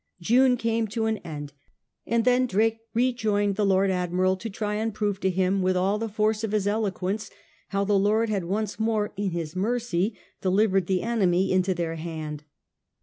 June came to an jend ; and then Drake rejoined the Lord Admiral to try^^fi prove to him with all the force of his eloquence how the Lord had once more in His mercy delivered the enemy into their hand.